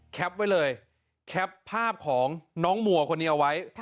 ไว้เลยแคปภาพของน้องมัวคนนี้เอาไว้